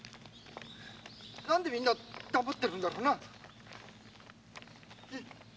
なんでみんな黙ってるんだろうな。